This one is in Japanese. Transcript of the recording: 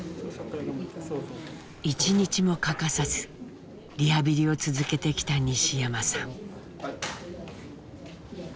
１日も欠かさずリハビリを続けてきた西山さん。